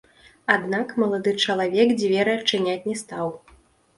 Аднак малады чалавек дзверы адчыняць не стаў.